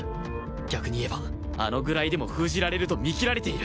逆に言えばあのぐらいでも封じられると見切られている